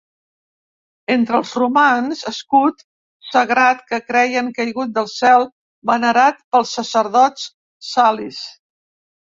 Entre els romans, escut sagrat que creien caigut del cel, venerat pels sacerdots salis.